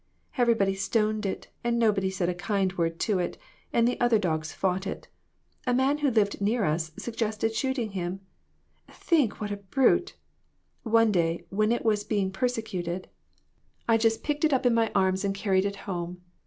Everybody stoned it, and nobody said a kind word to it, and the other dogs fought it. A man who lived near us suggested shooting him. Think what a brute ! One day, when it was being persecuted, WITHOUT ARE DOGS. 269 I just picked it up in my arms and carried it home.